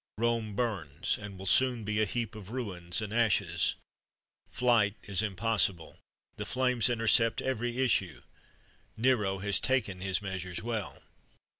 Rome burns, and will soon be a heap of ruins and ashes! Flight is impossible the flames intercept every issue! Nero has taken his measures well.